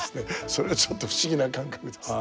それがちょっと不思議な感覚です。